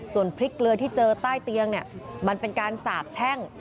ส่วนพริกเกลือที่เจอใต้เตียงเนี่ยมันเป็นการสาบแช่ง